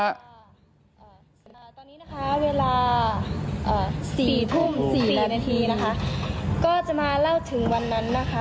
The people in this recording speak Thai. ตอนนี้นะคะเวลาอ่าสี่ทุ่มสี่นาทีนะคะก็จะมาเล่าถึงวันนั้นนะคะ